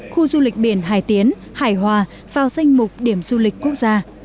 khu du lịch biển hải tiến hải hòa vào danh mục điểm du lịch quốc gia